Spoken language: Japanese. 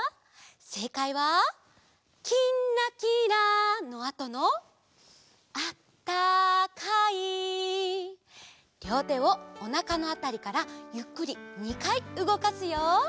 せいかいは「きんらきら」のあとの「あったかい」りょうてをおなかのあたりからゆっくり２かいうごかすよ。